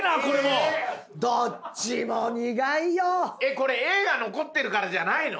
これＡが残ってるからじゃないの？